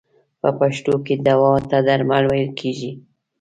په پښتو کې دوا ته درمل ویل کیږی.